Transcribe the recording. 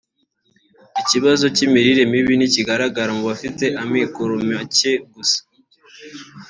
Ikibazo cy’imirire mibi ntikigaragara mu bafite amikoro make gusa